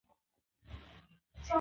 ازادي راډیو د مالي پالیسي پرمختګ سنجولی.